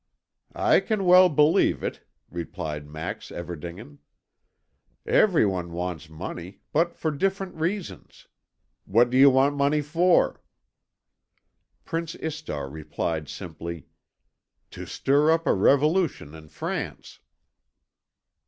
"I can well believe it," replied Max Everdingen. "Everyone wants money, but for different reasons. What do you want money for?" Prince Istar replied simply: "To stir up a revolution in France."